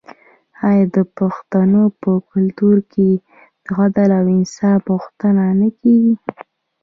آیا د پښتنو په کلتور کې د عدل او انصاف غوښتنه نه کیږي؟